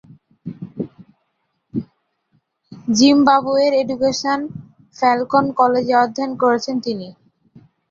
জিম্বাবুয়ের education falcon কলেজে অধ্যয়ন করেছেন তিনি।